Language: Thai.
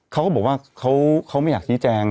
เขาก็บอกว่าเขาไม่อยากชี้แจง